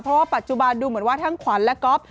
เพราะว่าปัจจุบันดูเหมือนว่าทั้งขวัญและก๊อฟ